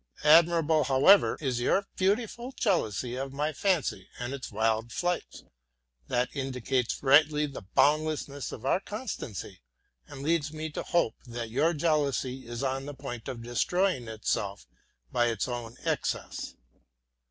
Admirable, however, is your beautiful jealousy of my fancy and its wild flights. That indicates rightly the boundlessness of your constancy, and leads me to hope that your jealousy is on the point of destroying itself by its own excess.